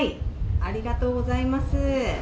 ありがとうございます。